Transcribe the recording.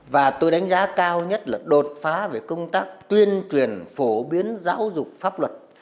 và tôi đánh giá cao nhất là đột phá về công tác tuyên truyền phổ biến giáo dục pháp luật